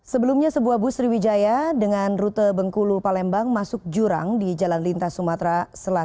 sebelumnya sebuah bus sriwijaya dengan rute bengkulu palembang masuk jurang di jalan lintas sumatera